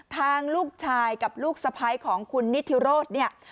ทางลูกชายกับลูกสะพ้ายของคุณนิทิโรธเนี่ย